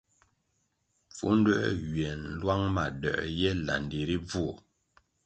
Pfunduē ywiè nlwang ma doē ye landi ri bvuo.